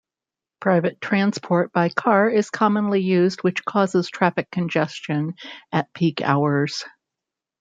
Private transport by car is commonly used which causes traffic congestion at peak hours.